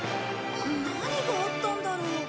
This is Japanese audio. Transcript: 何があったんだろう？さあ。